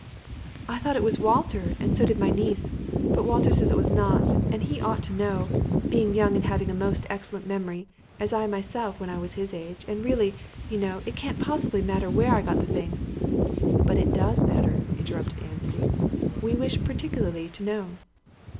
"I thought it was Walter, and so did my niece, but Walter says it was not, and he ought to know, being young and having a most excellent memory, as I had myself when I was his age, and really, you know, it can't possibly matter where I got the thing " "But it does matter," interrupted Anstey. "We wish particularly to know."